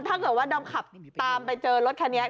ถ้าเกิดว่าดอมขับตามไปเจอรถคันนี้